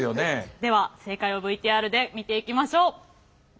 では正解をＶＴＲで見ていきましょう。